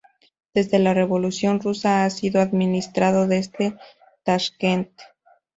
Desde la Revolución rusa ha sido administrado desde Tashkent.